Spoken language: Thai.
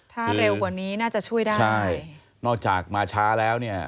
ถ้าเร็วกว่านี้น่าจะช่วยได้ใช่นอกจากมาช้าแล้วเนี่ย